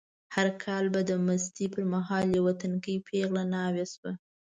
هر کال به د مستۍ په مهال یوه تنکۍ پېغله ناوې شوه.